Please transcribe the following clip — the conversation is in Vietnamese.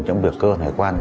trong việc cơ hội hải quan